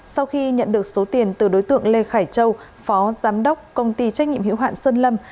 sau khi nhận được số tiền từ đối tượng lê khải châu phó giám đốc công ty trách nhiệm hiệu hoạn sơn lâm